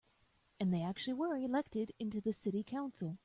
And they actually were elected into the city council.